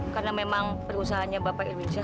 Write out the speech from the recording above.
karena memang perusahaannya bapak irwin syah